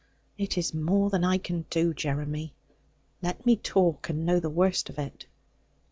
It is more than I can do, Jeremy. Let me talk, and know the worst of it.'